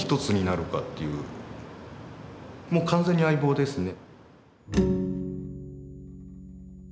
もう完全に相棒ですね。